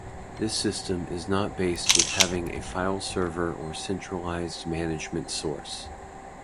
This system is not based with having a file server or centralized management source.